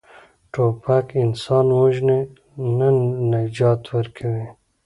توپک انسان وژني، نه نجات ورکوي.